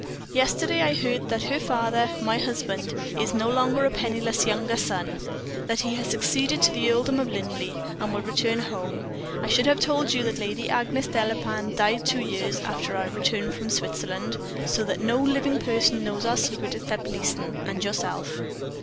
Yesterday I heard that her father my husband is no longer a penniless younger son; that he has succeeded to the earldom of Linleigh, and will return home. I should have told you that Lady Agnes Delapain died two years after our return from Switzerland, so that no person living knows our secret except Leeson and yourself.